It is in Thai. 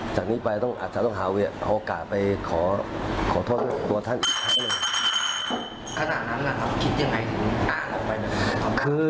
จากนี้ไปต้องอาจจะต้องหาโอกาสไปขอขอโทษตัวท่านอีก